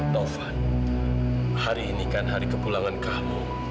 taufan hari ini kan hari kepulangan kamu